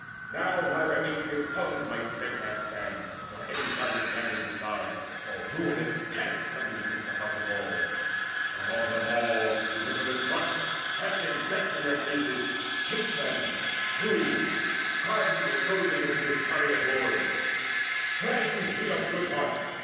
Now neither Atreus' sons might steadfast stand, Nor any valiant Danaan beside, For ruinous panic suddenly gripped the hearts Of all; for on them all Eurypylus rushed Flashing death in their faces, chased them, slew, Cried to the Trojans and to his chariot lords: "Friends, be of good heart!